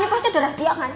pasti ada rahasia kan